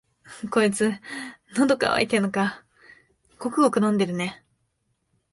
こいつ、のど渇いてんのか、ごくごく飲んでるね。